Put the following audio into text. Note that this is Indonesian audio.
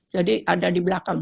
jadi ada di belakang